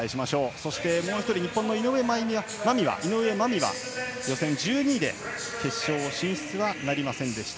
そして、もう１人日本の井上舞美は予選１２位で決勝進出はなりませんでした。